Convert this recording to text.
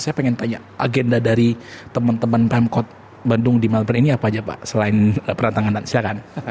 saya ingin tanya agenda dari teman teman pemkot bandung di melbourne ini apa saja pak selain penandatanganan